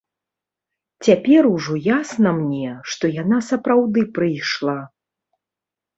Цяпер ужо ясна мне, што яна сапраўды прыйшла.